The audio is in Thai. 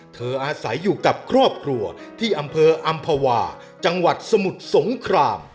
อาศัยอยู่กับครอบครัวที่อำเภออำภาวาจังหวัดสมุทรสงคราม